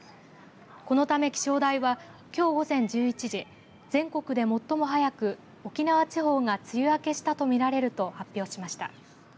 このため気象台はきょう午前１１時、全国で最も早く沖縄地方が梅雨明けしたと見られると発表しました。